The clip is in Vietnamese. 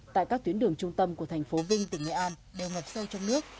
tại các tuyến đường trung tâm của thành phố vinh tỉnh nghệ an đều ngập sâu trong nước